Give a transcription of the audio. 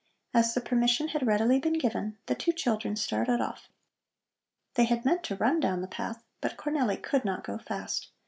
As the permission had readily been given, the two children started off. They had meant to run down the path, but Cornelli could not go fast.